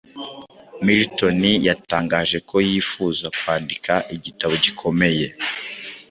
Milton yatangaje ko yifuza kwandika igitabo gikomeye